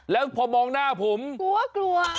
แล้วพอมองหน้าผมกลัวกลัว